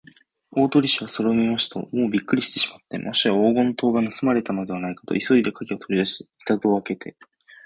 大鳥氏はそれを見ますと、もうびっくりしてしまって、もしや黄金塔がぬすまれたのではないかと、急いでかぎをとりだし、板戸をあけて